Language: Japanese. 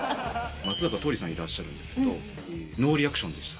松坂桃李さんいらっしゃるんですけど、ノーリアクションでした。